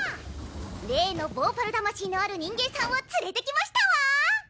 例のヴォーパル魂のある人間さんを連れてきましたわ！